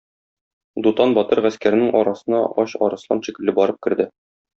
Дутан батыр гаскәрнең арасына ач арыслан шикелле барып керде.